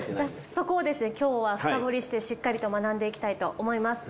そこをですね今日は深掘りしてしっかりと学んでいきたいと思います。